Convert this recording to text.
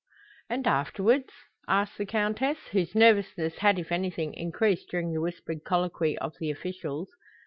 "And afterwards?" asked the Countess, whose nervousness had if anything increased during the whispered colloquy of the officials.